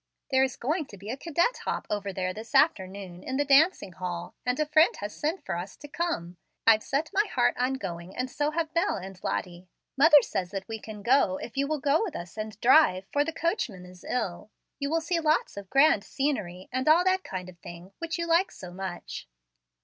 There is going to be a cadet hop over there this afternoon, in the dancing hall, and a friend has sent for us to come. I've set my heart on going, and so have Bel and Lottie. Mother says that we can go, if you will go with us and drive, for the coachman is ill. You will see lots of grand scenery, and all that kind of thing, which you like so much."